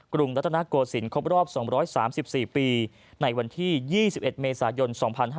รุงรัฐนาโกศิลปครบรอบ๒๓๔ปีในวันที่๒๑เมษายน๒๕๕๙